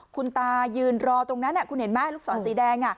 คุณตายืนรอตรงนั้นคุณเห็นไหมลูกศรสีแดง